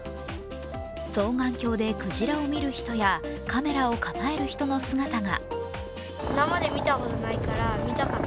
双眼鏡でクジラを見る人やカメラを構える人の姿が。